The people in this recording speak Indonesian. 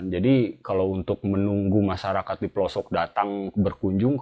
jadi kalau untuk menunggu masyarakat di pelosok datang berkunjung